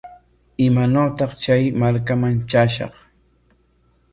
¿Imaanawtaq chay markaman traashaq?